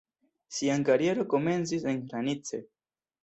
Sian karieron komencis en Hranice.